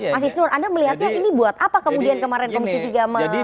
mas isnur anda melihatnya ini buat apa kemudian kemarin komisi tiga mencari komisiner kpk